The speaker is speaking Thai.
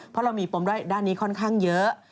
เพราะเรามีปมด้านนี้ค่อนข้างเยอะ